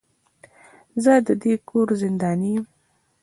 زه د دې کور زنداني يم.